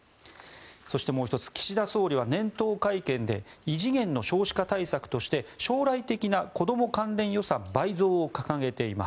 そして、もう１つ岸田総理は年頭会見で異次元の少子化対策として将来的な子ども関連予算倍増を掲げています。